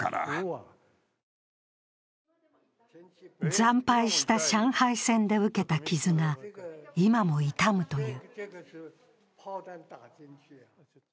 惨敗した上海戦で受けた傷が今も痛むという。